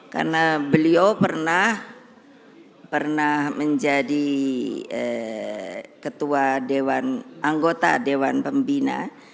karena beliau pernah menjadi ketua anggota dewan pembina